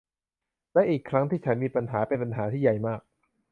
และอีกครั้งที่ฉันมีปัญญา เป็นปัญหาที่ใหญ่มาก